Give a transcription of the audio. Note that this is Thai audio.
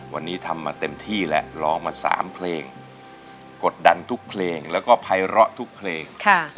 วันนี้ทำมาเต็มที่แล้วร้องมา๓เพลงกดดันทุกเพลงแล้วก็ภัยร้อทุกเพลง